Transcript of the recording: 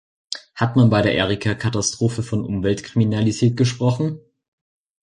Hat man bei der Erika-Katastrophe von Umweltkriminalität gesprochen?